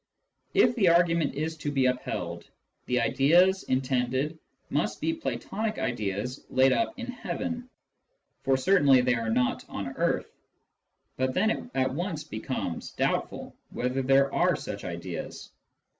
If the argument is to be upheld, the " ideas " intended must be Platonic ideas laid up in heaven, for certainly they are not on earth. But then it at once becomes doubtful whether there are such ideas.